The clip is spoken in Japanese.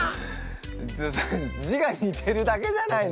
それ字が似てるだけじゃないの？